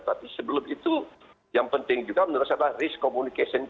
tapi sebelum itu yang penting juga menurut saya adalah risk communication